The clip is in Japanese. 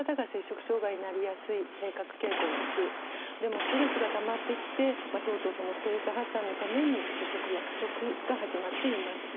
ストレスがたまってきてとうとうそのストレス発散のために拒食や過食が始まっています。